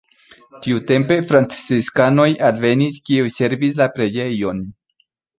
Tiutempe franciskanoj alvenis, kiuj servis la preĝejon.